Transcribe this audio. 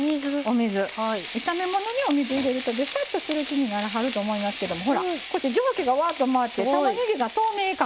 炒め物にお水入れるとベチャッとする気にならはると思いますけどもほらこうやって蒸気がわっと回ってたまねぎが透明感が。